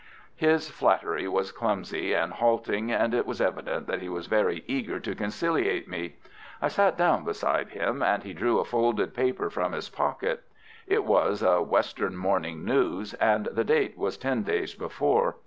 His flattery was clumsy and halting, and it was evident that he was very eager to conciliate me. I sat down beside him, and he drew a folded paper from his pocket. It was a Western Morning News, and the date was ten days before.